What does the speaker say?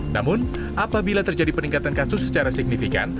namun apabila terjadi peningkatan kasus secara signifikan